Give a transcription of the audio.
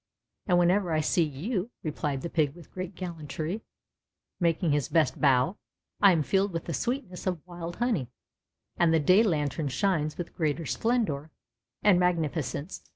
'' ^^And whenever I see you," replied the Pig with great gallantry, making his best bow, I am filled with the sweetness of wild honey, and the day lantern shines with greater splendor and magnificence